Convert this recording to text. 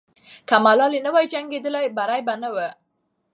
که ملالۍ نه وای جنګېدلې، بری به نه وو.